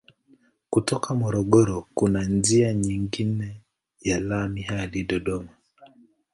Kutoka Morogoro kuna njia nyingine ya lami hadi Dodoma.